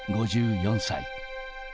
５４歳。